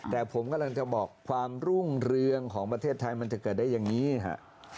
แต่ผมกำลังจะบอกความรุ่งเรืองของประเทศไทยมันจะเกิดได้อย่างนี้ฮะ